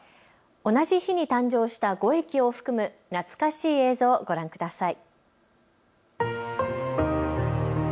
同じ日に誕生した５駅を含む懐かしい映像、ご覧ください。